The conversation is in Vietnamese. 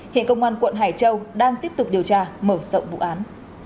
hiện công an quận hải châu đang tiếp tục điều tra mở rộng vụ án